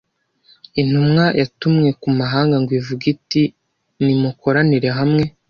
intumwa yatumwe ku mahanga ngo ivuge iti nimukoranire hamwe